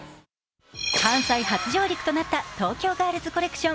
関西初上陸となった東京ガールズコレクション